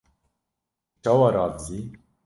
Tu çawa radizî?!